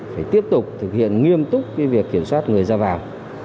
phải tiếp tục thực hiện nghiêm túc việc kiểm soát người ra vào